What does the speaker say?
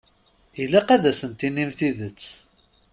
Ilaq ad asen-tinim tidet.